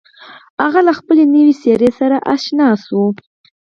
هغه له خپلې نوې څېرې سره اشنا شو.